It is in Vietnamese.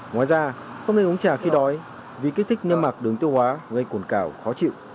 ngoài ra không nên uống trà khi đói vì kích thích niêm mạc đường tiêu hóa gây cồn cào khó chịu